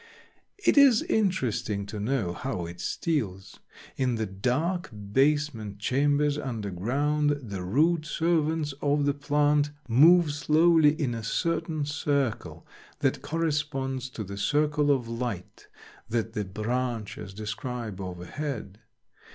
It is interesting to know how it steals. In the dark basement chambers underground the root servants of the plant move slowly in a certain circle that corresponds to the circle of light that the branches describe overhead.